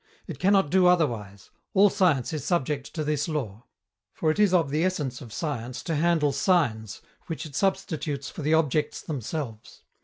It cannot do otherwise; all science is subject to this law. For it is of the essence of science to handle signs, which it substitutes for the objects themselves.